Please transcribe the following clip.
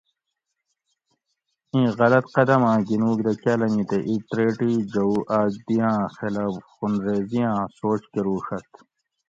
ایں غلط قدم آۤں گِنوگ دہ کاۤلمی تے ایتریٹی جوؤ آگ دی آۤں خلاف خونریزی آں سوچ کروڛت